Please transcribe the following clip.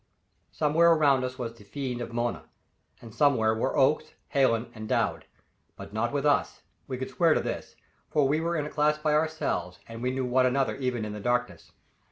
Somewhere around was the fiend of Mona, and somewhere were Oakes, Hallen and Dowd, but not with us we could swear to this, for we were in a class by ourselves and we knew one another even in the darkness.